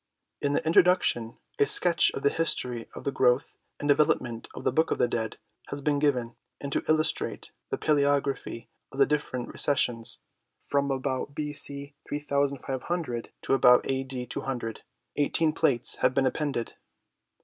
In the Introduction a sketch of the history of the growth and development of the Book of the Dead has been given, and to illustrate the palaeography of the different Recensions, from about B. C. 3500 to about A. D. 200, eighteen plates have been appended.